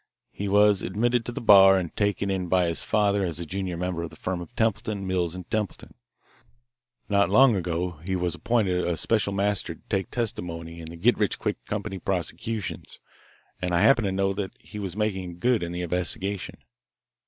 He was admitted to the bar and taken in by his father as junior member of the firm of Templeton, Mills & Templeton. Not long ago he was appointed a special master to take testimony in the get rich quick company prosecutions, and I happen to know that he was making good in the investigation."